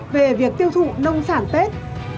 về việc tiêu thụ nông sản tết